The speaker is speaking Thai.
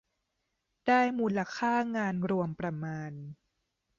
ได้มูลค่างานรวมประมาณ